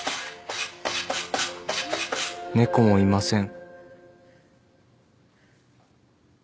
猫もいません。